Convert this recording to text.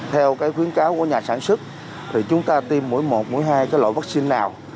theo khuyến cáo của nhà sản xuất chúng ta tiêm mỗi một mỗi hai loại vaccine nào